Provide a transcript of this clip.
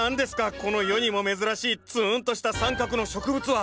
この世にも珍しいつんとした三角の植物は。